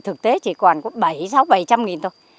thực tế chỉ còn có bảy sáu bảy trăm linh nghìn thôi